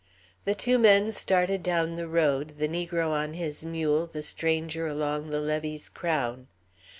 The two men started down the road, the negro on his mule, the stranger along the levee's crown.